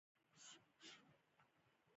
هغې وویل محبت یې د منظر په څېر ژور دی.